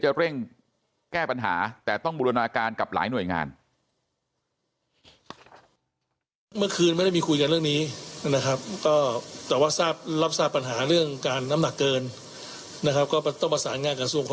เร่งแก้ปัญหาแต่ต้องบูรณาการกับหลายหน่วยงาน